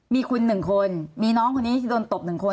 มีคุณหนึ่งคนมีน้องคนนี้ที่โดนตบหนึ่งคน